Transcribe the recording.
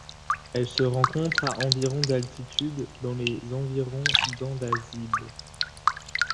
Elle se rencontre à environ d'altitude dans les environs d'Andasibe.